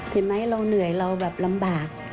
เห็นไหมเราเหนื่อยเราแบบลำบาก